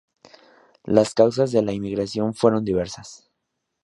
Las causas de la inmigración fueron diversas.